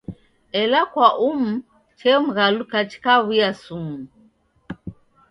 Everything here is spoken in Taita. Ela kwa umu chemghaluka chikaw'uya sumu.